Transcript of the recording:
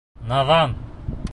Наҙан!